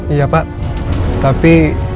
iya pak tapi